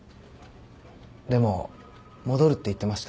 でも戻るって言ってました。